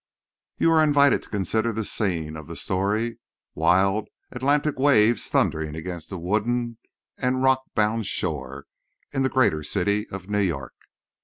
You are invited to consider the scene of the story—wild, Atlantic waves, thundering against a wooded and rock bound shore—in the Greater City of New York.